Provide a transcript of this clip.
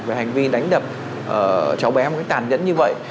về hành vi đánh đập cháu bé một cách tàn nhẫn như vậy